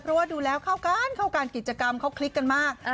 เพราะว่าดูแล้วเข้ากันเข้าการกิจกรรมเขาคลิกกันมาก